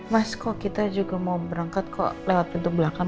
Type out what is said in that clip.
mas kok kita juga mau berangkat kok lewat pintu belakang